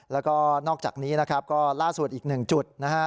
แล้วก็นอกจากนี้นะครับก็ล่าสุดอีกหนึ่งจุดนะฮะ